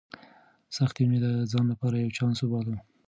سختۍ مې د ځان لپاره یو چانس وباله.